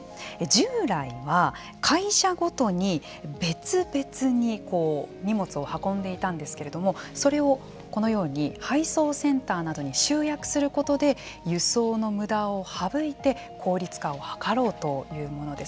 従来は会社ごとに別々に荷物を運んでいたんですけれどもそれをこのように配送センターなどに集約することで輸送のむだを省いて効率化を図ろうというものです。